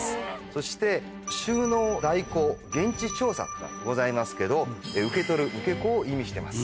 そして「収納代行」「現地調査」とかございますけど受け取る受け子を意味してます。